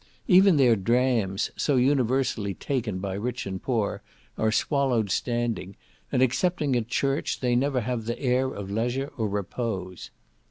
Even their drams, so universally taken by rich and poor, are swallowed standing, and, excepting at church, they never have the air of leisure or repose.